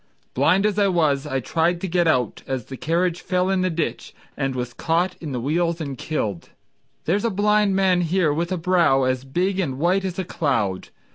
Blind as I was, I tried to get out As the carriage fell in the ditch, And was caught in the wheels and killed. There's a blind man here with a brow As big and white as a cloud.